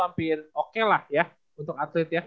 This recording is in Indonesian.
hampir oke lah ya untuk atlet ya